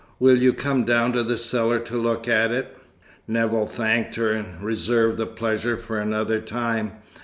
Will you come down to the cellar to look at it?" Nevill thanked her, and reserved the pleasure for another time.